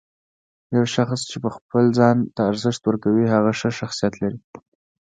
یو شخص چې خپل ځان ته ارزښت ورکوي، هغه ښه شخصیت لري.